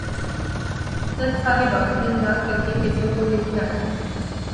جج صاحبان دن رات کر کے کیسوں کو نمٹائیں۔